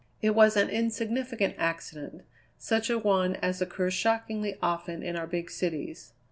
It was an insignificant accident; such a one as occurs shockingly often in our big cities.